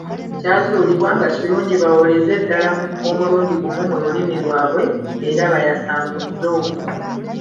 Kyazuulibwa nga kirungi balowooleze ddala omulundi gumu mu lulimi lwabwe era baayasangulize omwo.